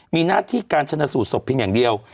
มีหน้าที่การชนะสูตรศพเพียงอย่างเดียว